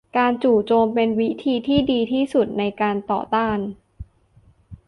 การจู่โจมเป็นวิธีที่ดีที่สุดในการต่อต้าน